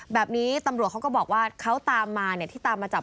แบบนี้ตำรวจเขาก็บอกว่าเขาตามมาที่ตามมาจับ